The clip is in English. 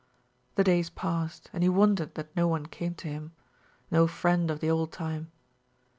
The days passed, and he wondered that no one came to him no friend of the old time.